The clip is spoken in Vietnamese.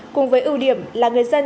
cùng với ưu điểm là người dân